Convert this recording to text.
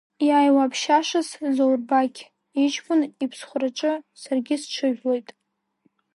Иааиуа аԥшьашаз, Зоурбақь иҷкәын иԥсхәраҿы саргьы сҽыжәлоит.